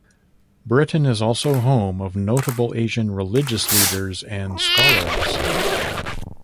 Britain is also home of notable Asian religious leaders and scholars.